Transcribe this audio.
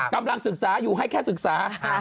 กำลังศึกษาอยู่ให้แค่ศึกษา